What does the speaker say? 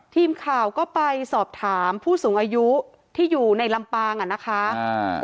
ทีมข่าวก็ไปสอบถามผู้สูงอายุที่อยู่ในลำปางอ่ะนะคะอ่า